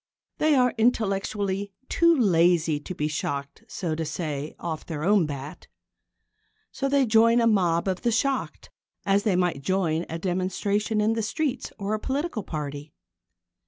They are intellectually too lazy to be shocked, so to say, off their own bat. So they join a mob of the shocked as they might join a demonstration in the streets or a political party.